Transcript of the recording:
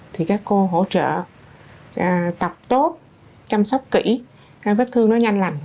thì các cô hỗ trợ tập tốt chăm sóc kỹ cái vết thương nó nhanh lành